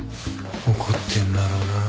怒ってんだろうなあ。